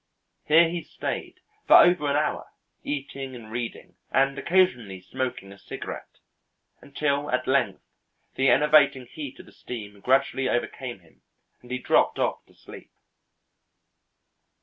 Here he stayed, for over an hour, eating and reading, and occasionally smoking a cigarette, until at length the enervating heat of the steam gradually overcame him and he dropped off to sleep.